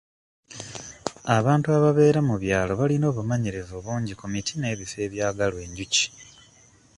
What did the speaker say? Abantu ababeera mu byalo balina obumanyirivu bungi ku miti n'ebifo ebyagalwa enjuki.